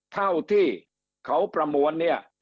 เท่าที่เขาประมวลเนี่ย